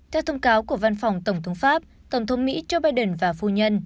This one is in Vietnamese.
theo thông cáo của văn phòng tổng thống pháp tổng thống mỹ joe biden và phu nhân